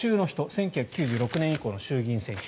１９９６年以降の衆議院選挙。